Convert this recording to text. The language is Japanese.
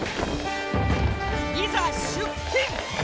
いざ出勤！